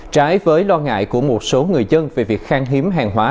trái với lo ngại của một số người dân về việc khang hiếm hàng hóa